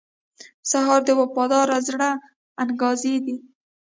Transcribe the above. سهار د وفادار زړه انګازې دي.